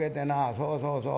そうそうそう。